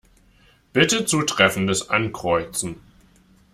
Bitte Zutreffendes Ankreuzen.